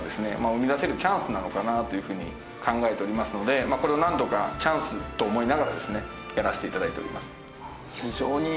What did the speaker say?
生み出せるチャンスなのかなというふうに考えておりますのでこれをなんとかチャンスと思いながらですねやらせて頂いております。